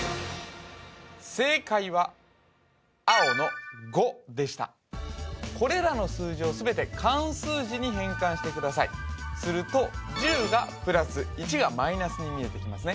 正解は青の５でしたこれらの数字を全て漢数字に変換してくださいすると１０が「＋」１が「−」に見えてきますね